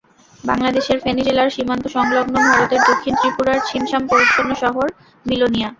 বাংলাদেশের ফেনী জেলার সীমান্ত-সংলগ্ন ভারতের দক্ষিণ ত্রিপুরার ছিমছাম পরিচ্ছন্ন শহর বিলোনিয়া।